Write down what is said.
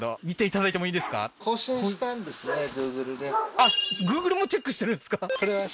あっＧｏｏｇｌｅもチェックしてるんですか？